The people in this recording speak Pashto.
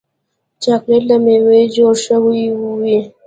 چاکلېټ له میوو جوړ شوی وي.